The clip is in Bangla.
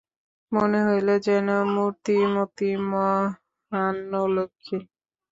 মনে হইল, যেন মূর্তিমতী মধ্যাহ্নলক্ষ্মী!